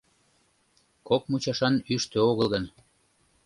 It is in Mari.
Кок мучашан ӱштӧ огыл гын